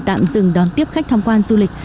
tạm dừng đón tiếp khách tham quan du lịch